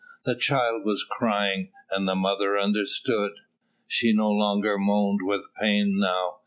The child was crying and the mother understood. She no longer moaned with pain now.